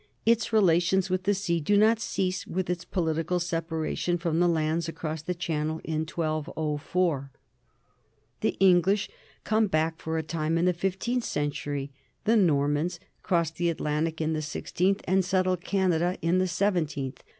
Its relations with the sea do not cease with its political separation from the lands across the Channel in 1204. The English come back for a time in the fifteenth century; the Normans cross the Atlantic in the sixteenth and settle Canada in the sev enteenth.